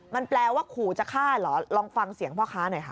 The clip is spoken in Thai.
มันแปลว่าขู่จะฆ่าเหรอลองฟังเสียงพ่อค้าหน่อยค่ะ